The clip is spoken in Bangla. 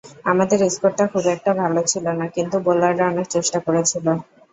আমাদের স্কোরটা খুব একটা ভালো ছিল না, কিন্তু বোলাররা অনেক চেষ্টা করেছিল।